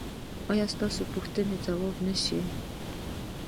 ایا ستاسو پوښتنې ځواب نه شوې؟